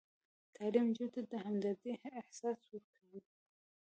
تعلیم نجونو ته د همدردۍ احساس ورکوي.